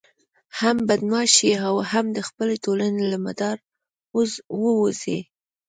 هم بدماش شي او هم د خپلې ټولنې له مدار ووزي.